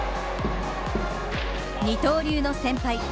二刀流の先輩